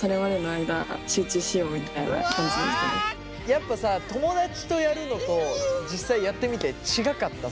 やっぱさ友達とやるのと実際やってみて違かった？